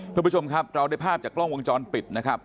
คุณผู้ชมครับเราได้ภาพจากกล้องวงจรปิดนะครับ